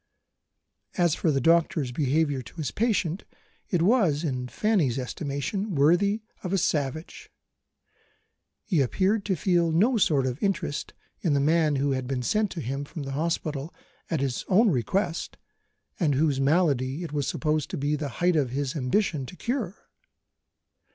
As for the doctor's behaviour to his patient, it was, in Fanny's estimation, worthy of a savage. He appeared to feel no sort of interest in the man who had been sent to him from the hospital at his own request, and whose malady it was supposed to be the height of his ambition to cure.